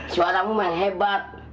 suaramu main hebat